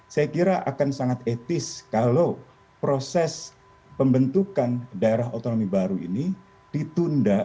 saya kira akan sangat etis kalau proses pembentukan daerah otonomi baru ini ditunda